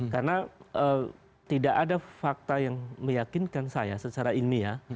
karena tidak ada fakta yang meyakinkan saya secara ini ya